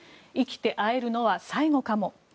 生きて会えるのは最後かも。